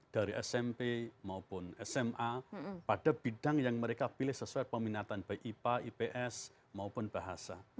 dari smp maupun sma pada bidang yang mereka pilih sesuai peminatan baik ipa ips maupun bahasa